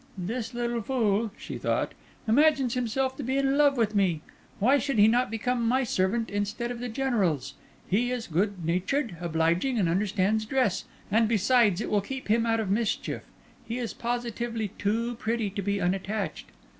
"This little fool," she thought, "imagines himself to be in love with me. Why should he not become my servant instead of the General's? He is good natured, obliging, and understands dress; and besides it will keep him out of mischief. He is positively too pretty to be unattached."